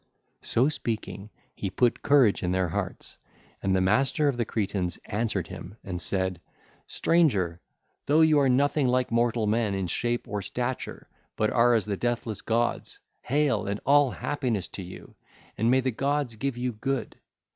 (ll. 462 473) So speaking, he put courage in their hearts, and the master of the Cretans answered him and said: 'Stranger—though you are nothing like mortal men in shape or stature, but are as the deathless gods—hail and all happiness to you, and may the gods give you good.